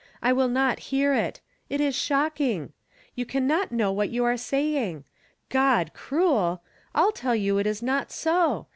I will not hear it. It is shocking ! You can not know what you are saying. God cruel ! I tell you it is not so.